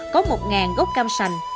có một gốc cam sành